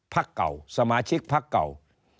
ภักดิ์เก่าสมาชิกภักดิ์เก่า